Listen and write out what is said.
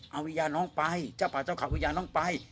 เอาวิญญาณน้องไปเจ้าป่าเจ้าเขาวิญญาณน้องไป